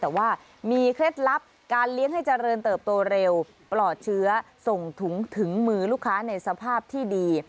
แต่ว่ามีเคล็ดลับการเลี้ยงให้เจริญเติบโตเร็วปลอดเชื้อส่งถุงถึงมือลูกค้าในสภาพที่ดี